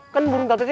kan burung tante sih